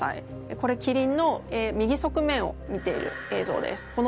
これキリンの右側面を見ているえい